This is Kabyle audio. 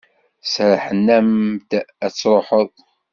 Serrḥen-am-d ad d-truḥeḍ?